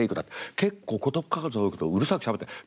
結構言葉数多いけどうるさくしゃべってない。